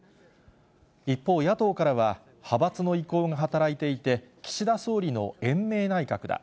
一方、野党からは派閥の意向が働いていて、岸田総理の延命内閣だ。